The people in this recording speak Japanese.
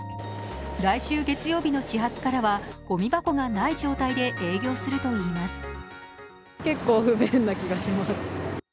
来週月曜日の始発からはごみ箱がない状態で営業するといいます。